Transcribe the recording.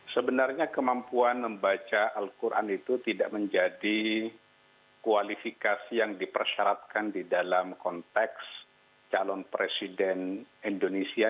sebenarnya kemampuan membaca al quran itu tidak menjadi kualifikasi yang dipersyaratkan di dalam konteks calon presiden indonesia